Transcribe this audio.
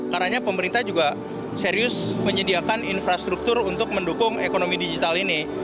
karena pemerintah juga serius menyediakan infrastruktur untuk mendukung ekonomi digital ini